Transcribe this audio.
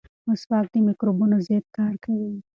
مسواک د مکروبونو ضد کار کوي.